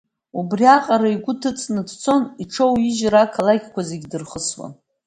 Убри аҟара игәы ҭыҵны дцон, иҽоуижьыр ақалақьқәа зегьы дырхысуан.